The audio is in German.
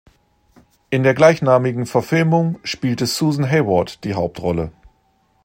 In der gleichnamigen Verfilmung spielte Susan Hayward die Hauptrolle.